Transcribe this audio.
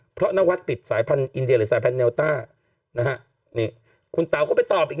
เพราะนวัดติดสายพันธ์อินเดียหรือสายพันธุเดลต้านะฮะนี่คุณเต๋าก็ไปตอบอีก